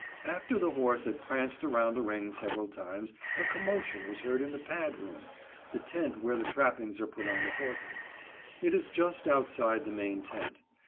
After the horse had pranced around the ring several times a commotion was heard in the "pad room," the tent where the trappings are put on the horses. It is just outside the main tent.